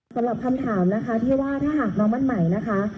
สำหรับคำถามนะคะที่ว่าถ้าหากน้องบ้านใหม่นะคะ